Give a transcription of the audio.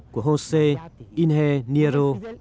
của josé inge nero